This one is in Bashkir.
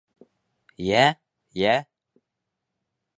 Йә, йә!